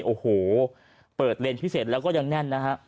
โอ้โหเปิดเลนส์พิเศษแล้วก็ยังแน่นนะฮะ